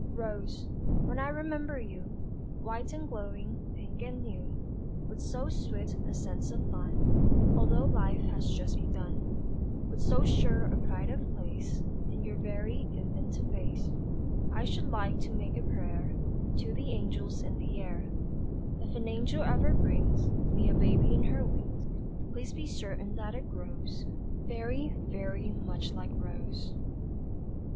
Rose, when I remember you, White and glowing, pink and new, With so swift a sense of fun Altho' life has just begun; With so sure a pride of place In your very infant face, I should like to make a prayer To the angels in the air: "If an angel ever brings Me a baby in her wings, Please be certain that it grows Very, very much like Rose."